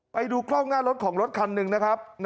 ไปดูเคราะห์งานรถของรถคันหนึ่งนะครับ